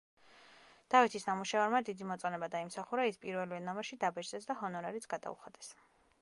დავითის ნამუშევარმა დიდი მოწონება დაიმსახურა ის პირველივე ნომერში დაბეჭდეს და ჰონორარიც გადაუხადეს.